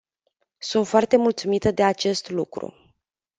Sunt foarte mulțumită de acest lucru.